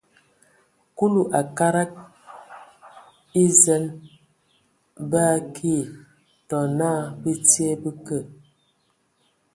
Kulu a kadag e zen ba akii, tɔ ana bə tie, bə kə.